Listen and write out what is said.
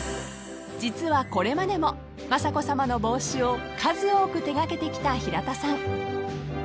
［実はこれまでも雅子さまの帽子を数多く手掛けてきた平田さん］